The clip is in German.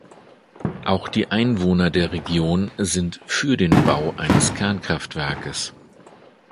Auch die Einwohner der Region sind für den Bau eines Kernkraftwerkes.